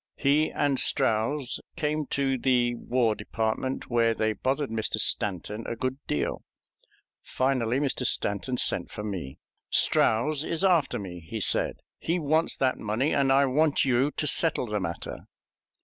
He and Strouse came to the War Department, where they bothered Mr. Stanton a good deal. Finally, Mr. Stanton sent for me. "Strouse is after me," he said; "he wants that money, and I want you to settle the matter."